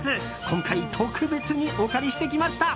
今回、特別にお借りしてきました。